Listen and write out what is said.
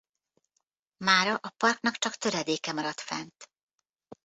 Mára a parknak csak töredéke maradt fent.